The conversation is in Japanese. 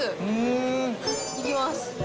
いきます。